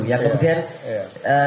ya kemudian ya